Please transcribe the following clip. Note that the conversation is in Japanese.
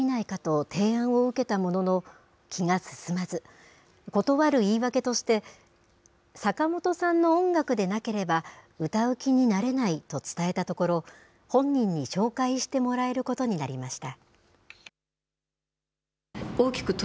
あるとき、歌を歌ってみないかと提案を受けたものの、気が進まず、断る言い訳として、坂本さんの音楽でなければ歌う気になれないと伝えたところ、本人に紹介してもらえることになりました。